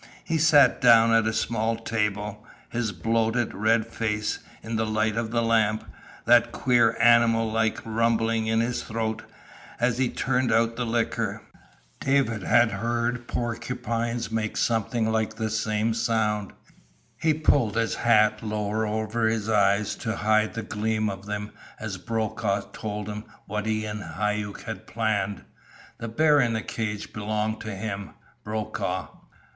He sat down at a small table, his bloated, red face in the light of the lamp, that queer animal like rumbling in his throat, as he turned out the liquor. David had heard porcupines make something like the same sound. He pulled his hat lower over his eyes to hide the gleam of them as Brokaw told him what he and Hauck had planned. The bear in the cage belonged to him Brokaw.